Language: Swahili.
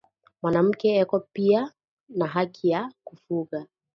Mwanamke eko piya na haki ya ku fuga